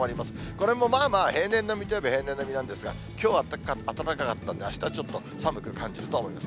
これもまあまあ平年並みといえば平年並みなんですが、きょう暖かかったのでちょっと寒く感じると思います。